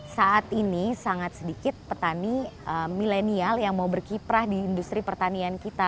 saat ini sangat sedikit petani milenial yang mau berkiprah di industri pertanian kita